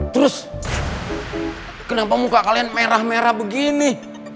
terus kenapa muka kalian merah merah begini